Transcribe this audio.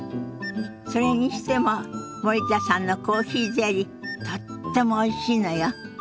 それにしても森田さんのコーヒーゼリーとってもおいしいのよ。